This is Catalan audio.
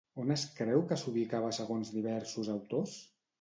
On es creu que s'ubicava segons diversos autors?